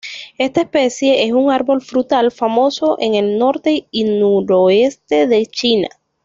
Esta especie es un árbol frutal famoso en el norte y noroeste de China.